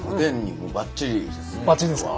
ばっちりですか？